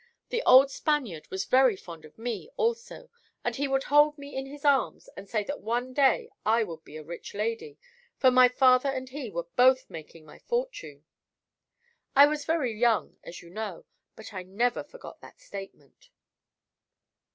The old Spaniard was very fond of me, also, and he would hold me in his arms and say that one day I would be a rich lady, for my father and he were both making my fortune. I was very young, as you know, but I never forgot that statement."